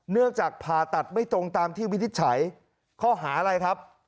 เนื่องจากผ่าตัดไม่ตรงตามที่วินิจฉัยข้อหาอะไรครับ